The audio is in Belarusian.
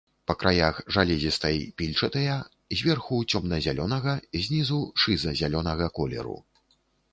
Па краях жалезістай-пільчатыя, зверху цёмна -зялёнага, знізу шыза- зялёнага колеру.